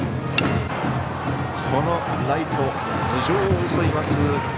このライト頭上を襲います。